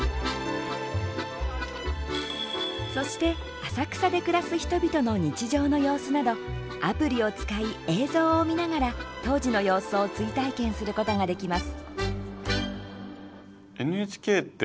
そして、浅草で暮らす人々の日常の様子などアプリを使い、映像を見ながら当時の様子を追体験することができます。